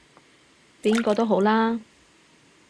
邊個都好啦